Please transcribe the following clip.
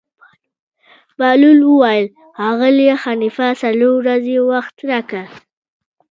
بهلول وویل: ښاغلی خلیفه څلور ورځې وخت راکړه.